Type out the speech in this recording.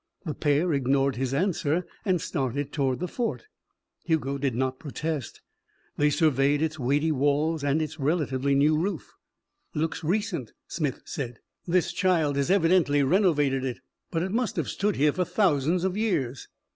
The pair ignored his answer and started toward the fort. Hugo did not protest. They surveyed its weighty walls and its relatively new roof. "Looks recent," Smith said. "This child has evidently renovated it. But it must have stood here for thousands of years."